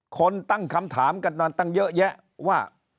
คนตั้งคำถามกันมาตั้งเยอะแยะว่า